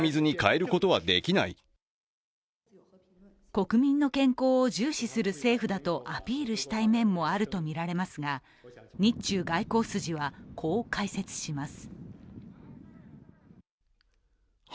国民の健康を重視する政府だとアピールしたい面もあるとみられますが、日中外交筋はこう解説します。